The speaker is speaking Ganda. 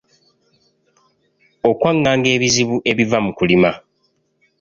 Okwanganga ebizibu ebiva mu kulima.